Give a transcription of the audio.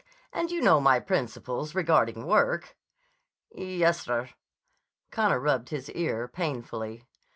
And you know my principles regarding work." "Yes, sir." Connor rubbed his ear painfully.